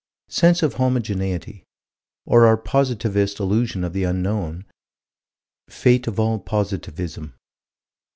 Sense of homogeneity, or our positivist illusion of the unknown and the fate of all positivism.